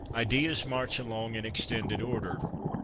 ' Ideas march along in extended order.